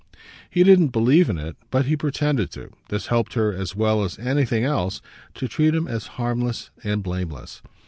He didn't believe in it, but he pretended to; this helped her as well as anything else to treat him as harmless and blameless.